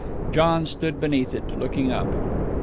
John stood beneath it, looking up.